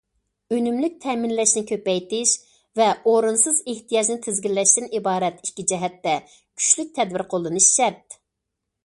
ئۈنۈملۈك تەمىنلەشنى كۆپەيتىش ۋە ئورۇنسىز ئېھتىياجنى تىزگىنلەشتىن ئىبارەت ئىككى جەھەتتە كۈچلۈك تەدبىر قوللىنىش شەرت.